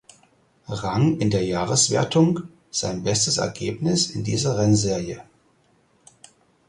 Rang in der Jahreswertung sein bestes Ergebnis in dieser Rennserie.